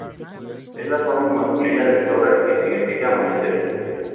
Es la forma masculina de "Zora", que significa "amanecer".